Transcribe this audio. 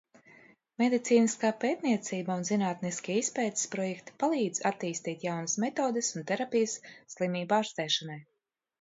Medicīniskā pētniecība un zinātniskie izpētes projekti palīdz attīstīt jaunas metodes un terapijas slimību ārstēšanai.